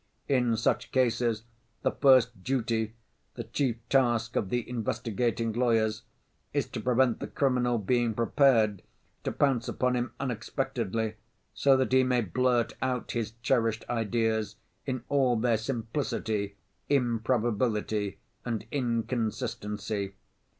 In such cases the first duty, the chief task of the investigating lawyers, is to prevent the criminal being prepared, to pounce upon him unexpectedly so that he may blurt out his cherished ideas in all their simplicity, improbability and inconsistency.